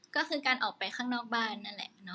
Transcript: ก็คือการออกไปข้างนอกบ้านนั่นแหละ